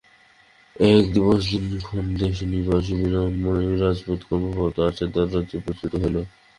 এক দিবস দক্ষিণদেশনিবাসী বীরবরনামা রাজপুত কর্মপ্রাপ্তির আশয়ে রাজদ্বারে উপস্থিত হইল।